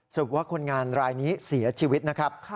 ว่าคนงานรายนี้เสียชีวิตนะครับ